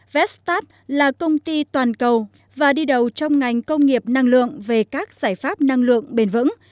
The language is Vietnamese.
vestat là công ty toàn cầu và đi đầu trong ngành công nghiệp năng lượng về các giải pháp năng lượng bền vững